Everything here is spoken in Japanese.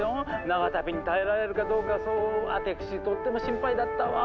長旅に耐えられるかどうかそうアテクシとっても心配だったわ。